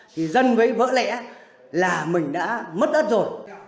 thì dân mới vỡ lẽ là mình đã mất đất rồi